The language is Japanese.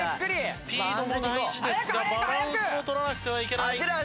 スピードも大事ですがバランスも取らなくてはいけない。